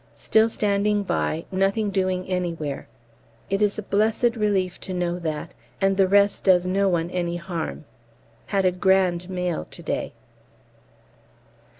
Still standing by; nothing doing anywhere. It is a blessed relief to know that, and the rest does no one any harm. Had a grand mail to day.